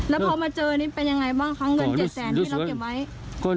แล้วพอมาเจอนี่เป็นยังไงบ้างคะเงิน๗แสนที่เราเก็บไว้